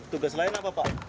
tugas lain apa pak